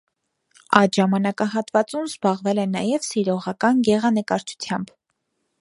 Այդ ժամանակահատվածում զբաղվել է նաև սիրողական գեղանկարչությամբ։